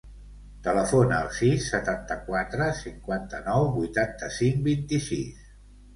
Telefona al sis, setanta-quatre, cinquanta-nou, vuitanta-cinc, vint-i-sis.